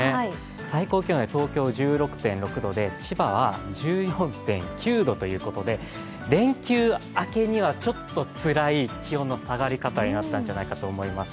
最高気温、東京で１６．６度で千葉は１４．９度ということで連休明けにはちょっとつらい気温の下がり方になったんじゃないかと思います。